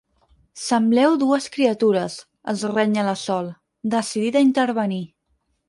Sembleu dues criatures —els renya la Sol, decidida a intervenir—.